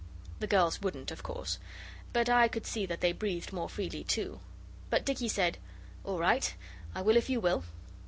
The girls wouldn't, of course; but I could see that they breathed more freely too. But Dicky said, 'All right; I will if you will.